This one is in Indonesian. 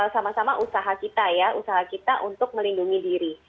sama sama usaha kita ya usaha kita untuk melindungi diri